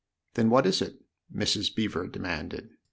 "Then what is it?" Mrs. Beever demanded.